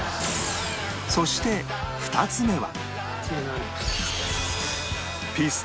そして２つ目は